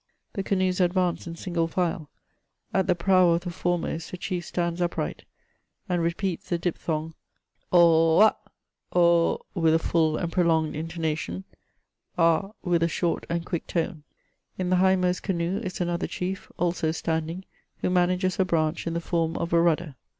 The canoes advance in single file : at the prow of the foremost a chief stands upright, and repeats the cUphthong ^' oaK' — o with a full and prolonged intonation, a with a short and quick tone. In the hindmost canoe is another chief, also standing, who manages a branch in the form of a rudder.